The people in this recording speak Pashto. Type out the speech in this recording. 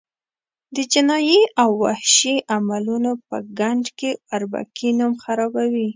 د جنایي او وحشي عملونو په ګند کې اربکي نوم خرابوي.